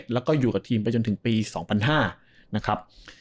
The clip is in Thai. แล้วก็อยู่กับทีมไปจนถึงปี๒๐๐๕นะครับ